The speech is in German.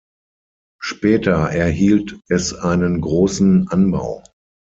Später erhielt es einen großen Anbau.